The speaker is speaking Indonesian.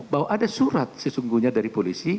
bahwa ada surat sesungguhnya dari polisi